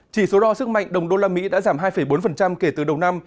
chỉ số đo sức mạnh đồng đô la mỹ đã giảm hai bốn kể từ đầu năm